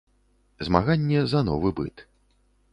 Змаганне за новы быт.